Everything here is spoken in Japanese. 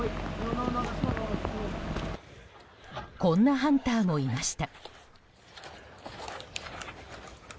こんなハンターもいました。